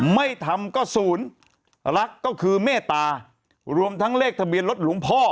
ไม่ทำก็ศูนย์รักก็คือเมตตารวมทั้งเลขทะเบียนรถหลวงพ่อ